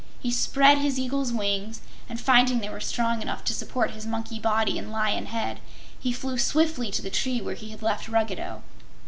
He spread his eagle's wings and finding they were strong enough to support his monkey body and lion head he flew swiftly to the tree where he had left Ruggedo.